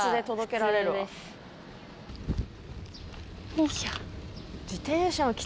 よいしょ。